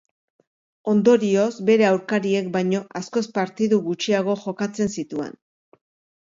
Ondorioz, bere aurkariek baino askoz partidu gutxiago jokatzen zituen.